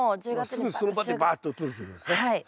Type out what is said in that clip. すぐその場でばっととるということですね。